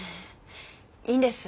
いいんです。